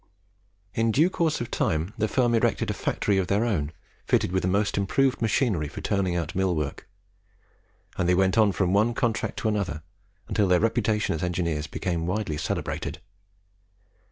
In due course of time the firm erected a factory of their own, fitted with the most improved machinery for turning out millwork; and they went on from one contract to another, until their reputation as engineers became widely celebrated.